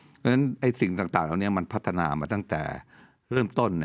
เพราะฉะนั้นสิ่งต่างเหล่านี้มันพัฒนามาตั้งแต่เริ่มต้น